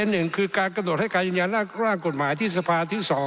สภาพนั้นก็เลยไม่ผ่านสภา